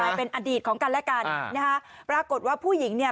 เป็นอดีตของกันและกันนะฮะปรากฏว่าผู้หญิงเนี่ย